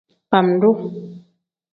Bam-duu.